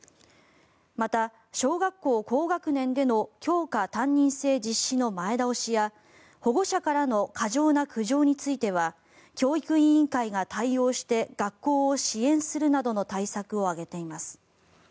また小学校高学年での教科担任制実施の前倒しや保護者からの過剰な苦情については教育委員会が対応して学校を支援するなどの対策を挙げています。